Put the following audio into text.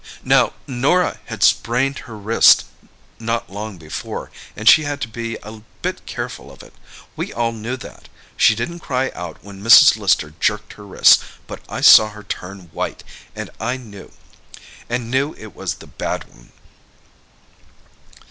"Now Norah had sprained her wrist not long before, and she had to be a bit careful of it. We all knew that. She didn't cry out when Mrs. Lister jerked her wrist, but I saw her turn white, and knew it was the bad one."